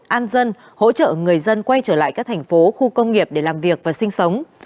an dân hỗ trợ người dân quay trở lại các thành phố khu công nghiệp để làm việc và sinh sống